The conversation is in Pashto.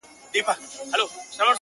راځه د ژوند په چل دي پوه کړمه زه ـ